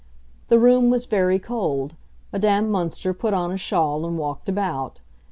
The room was very cold; Madame Münster put on a shawl and walked about.